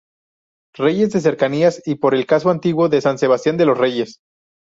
Reyes de cercanías y por el casco antiguo de San Sebastián de los Reyes.